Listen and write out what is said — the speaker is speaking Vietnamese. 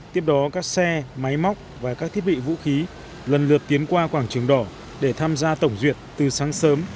tiếp đó các xe máy móc và các thiết bị vũ khí lần lượt tiến qua quảng trường đỏ để tham gia tổng duyệt từ sáng sớm